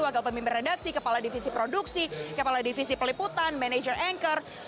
wakil pemimpin redaksi kepala divisi produksi kepala divisi peliputan manager anchor